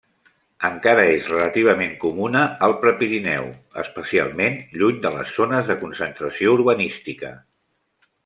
Encara és relativament comuna al Prepirineu, especialment lluny de les zones de concentració urbanística.